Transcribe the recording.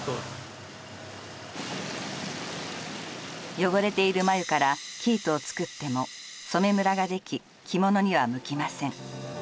汚れている繭から生糸を作っても染めムラができ着物には向きません。